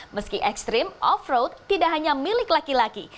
meski ekstrim off road tidak hanya milik laki laki